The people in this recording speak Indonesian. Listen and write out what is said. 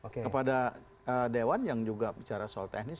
kepada dewan yang juga bicara soal teknis